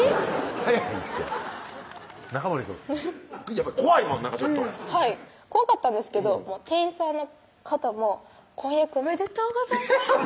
早いって中森くん怖いもんちょっとはい怖かったんですけど店員さんの方も「婚約おめでとうございます」